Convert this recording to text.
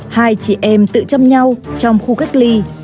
hai chị em tự chăm nhau trong khu cách ly